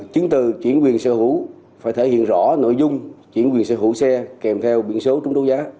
chứng từ chuyển quyền sở hữu phải thể hiện rõ nội dung chuyển quyền sở hữu xe kèm theo biển số trúng đấu giá